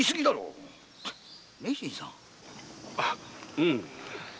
うん。